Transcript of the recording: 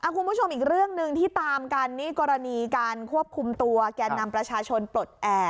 คุณผู้ชมอีกเรื่องหนึ่งที่ตามกันนี่กรณีการควบคุมตัวแกนนำประชาชนปลดแอบ